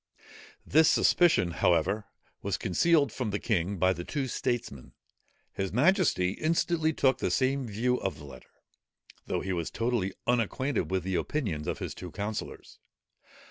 This suspicion, however, was concealed from the king by the two statesmen. His majesty instantly took the same view of the letter, though he was totally unacquainted with the opinions of his two councillors.